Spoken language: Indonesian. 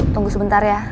tunggu sebentar ya